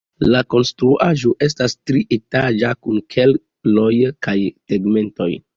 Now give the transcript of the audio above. La konstruaĵo estas trietaĝa kun keloj kaj tegmento.